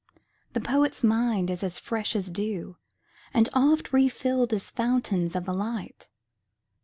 The poet's mind is fresh as dew, And oft refilled as fountains of the light.